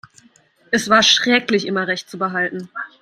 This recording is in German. Es war schrecklich, immer Recht zu behalten.